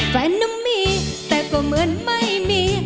แฟนนั้นมีแต่ก็เหมือนไม่มี